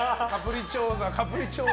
カプリチョーザ